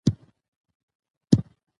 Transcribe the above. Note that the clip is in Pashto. دښتې د افغانستان د اقلیم ځانګړتیا ده.